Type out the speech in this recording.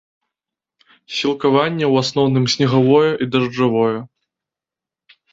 Сілкаванне ў асноўным снегавое і дажджавое.